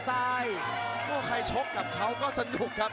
ประโยชน์ทอตอร์จานแสนชัยกับยานิลลาลีนี่ครับ